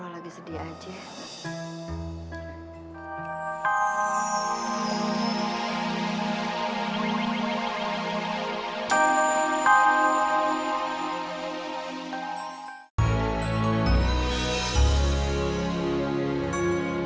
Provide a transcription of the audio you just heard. roh lagi sedih aja